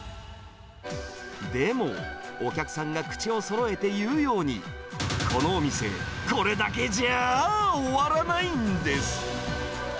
でも、お客さんが口をそろえて言うように、このお店、これだけじゃあ終わらないんです。